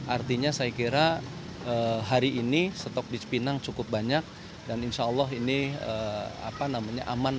artinya saya kira hari ini stok di cipinang cukup banyak dan insya allah ini aman